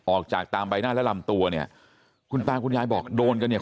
ออกจากตามใบหน้าและลำตัวเนี่ยคุณตาคุณยายบอกโดนกันเนี่ย